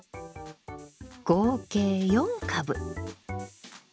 合計４株。